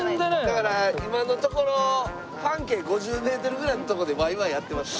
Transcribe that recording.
だから今のところ半径５０メートルぐらいのとこでワイワイやってました。